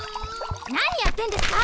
何やってるんですか！